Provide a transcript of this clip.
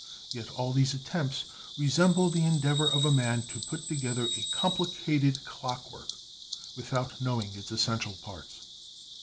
Yet all these attempts resemble the endeavor of a man to put together a complicated clock work without knowing its essential parts.